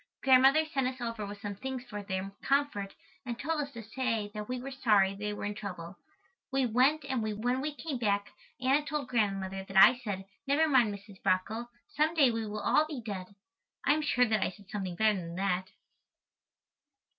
Grandmother sent us over with some things for their comfort and told us to say that we were sorry they were in trouble. We went and when we came back Anna told Grandmother that I said, "Never mind, Mrs. Brockle, some day we will all be dead." I am sure that I said something better than that.